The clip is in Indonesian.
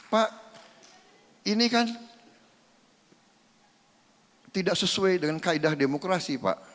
pak ini kan tidak sesuai dengan kaedah demokrasi pak